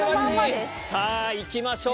さぁ行きましょう！